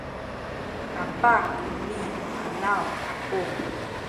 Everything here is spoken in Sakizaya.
kapah kuni palaw aku